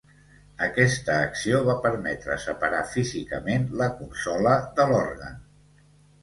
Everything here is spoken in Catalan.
Aquesta acció va permetre separar físicament la consola de l'òrgan.